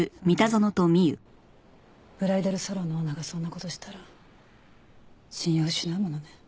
ブライダルサロンのオーナーがそんな事したら信用を失うものね。